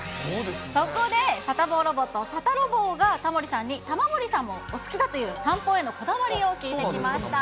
そこで、サタボーロボット、サタロボーが、玉森さんもお好きだという散歩へのこだわりを聞いてきました。